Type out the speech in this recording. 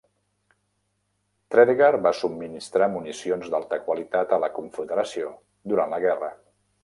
Tredegar va subministrar municions d'alta qualitat a la Confederació durant la guerra.